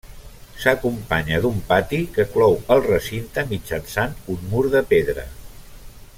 S'acompanya d'un pati que clou el recinte mitjançant un mur de pedra.